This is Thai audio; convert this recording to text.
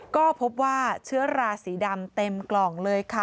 ก็พบว่าเชื้อราสีดำเต็มกล่องเลยค่ะ